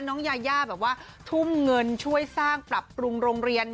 น้องยายาแบบว่าทุ่มเงินช่วยสร้างปรับปรุงโรงเรียน